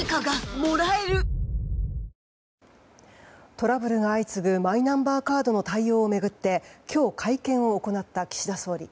トラブルが相次ぐマイナンバーカードの対応を巡って今日、会見を行った岸田総理。